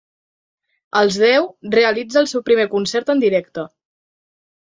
Als deu, realitza el seu primer concert en directe.